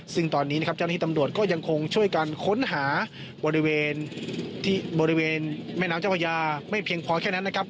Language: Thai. ซึ่งตอนนี้เจ้าหน้าที่ตำรวจก็ยังคงช่วยการค้นหาบริเวณแม่น้ำเจ้าพระยาไม่เพียงพอแค่นั้นนะครับ